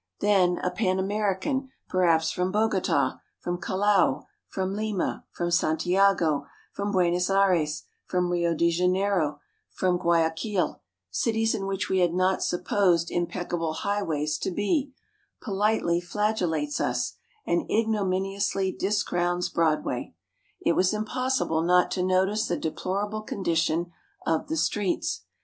Then a Pan American, perhaps from Bogota, from Callao, from Lima, from Santiago, from Buenos Ayres, from Rio de Janeiro, from Guayaquil cities in which we had not supposed impeccable highways to be politely flagellates us, and ignominiously discrowns Broadway. "It was impossible not to notice the deplorable condition of the streets.